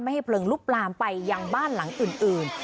ให้เพลิงลุกลามไปยังบ้านหลังอื่น